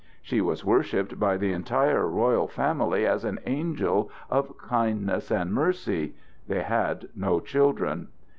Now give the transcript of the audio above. She was worshipped by the entire royal family as an angel of kindness and mercy. They had no children.